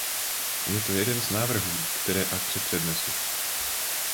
Je to jeden z návrhů, které v Akkře přednesu.